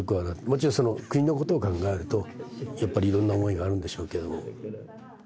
もちろん国のことを考えると、やっぱりいろんな思いがあるんでしょうけれども。